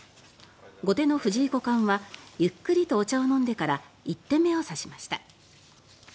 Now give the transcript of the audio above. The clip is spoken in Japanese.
後手の藤井五冠はゆっくりとお茶を飲んでから１手目を指しました。